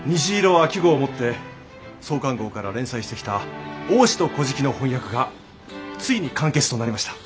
秋号をもって創刊号から連載してきた「王子と乞食」の翻訳がついに完結となりました。